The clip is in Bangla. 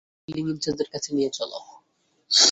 আমাকে বিল্ডিং ইনচার্জের কাছে নিয়ে চল।